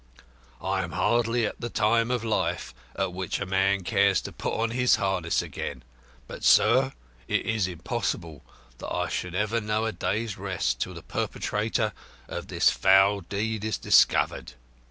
I am hardly at the time of life at which a man cares to put on his harness again; but, sir, it is impossible that I should ever know a day's rest till the perpetrator of this foul deed is discovered.